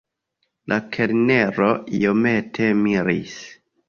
La kelnero iomete miris.